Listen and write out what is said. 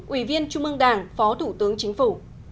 ủy viên trung ương đảng phó thủ tướng chính phủ